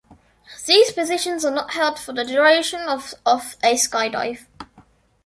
These positions are not held for the duration of a skydive.